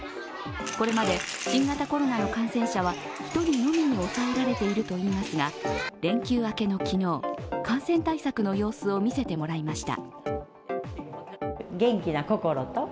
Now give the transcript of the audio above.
これまで新型コロナの感染者は１人のみに抑えられているといいますが連休明けの昨日、感染対策の様子を見せてもらいました。